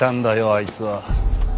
あいつは。